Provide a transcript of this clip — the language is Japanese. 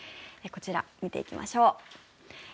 こちら見ていきましょう。